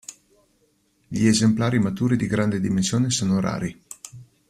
Gli esemplari maturi di grande dimensione sono rari.